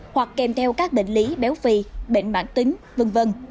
hoặc kèm theo các bệnh lý béo phì bệnh mãn tính v v